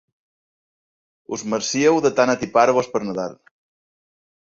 Us marcíeu de tan atipar-vos per Nadal.